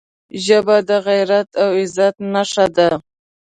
ژبه د غیرت او عزت نښه ده